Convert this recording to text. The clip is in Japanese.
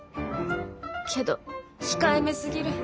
けど控えめすぎる。